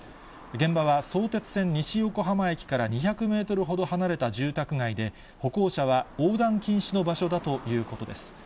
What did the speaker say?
現場は相鉄線西横浜駅から２００メートルほど離れた住宅街で、歩行者は横断禁止の場所だということです。